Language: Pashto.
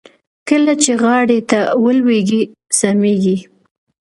کله چې غاړې ته ولوېږي سميږي.